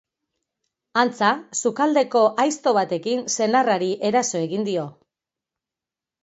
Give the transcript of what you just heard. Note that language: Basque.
Antza, sukaldeko aizto batekin senarrari eraso egin dio.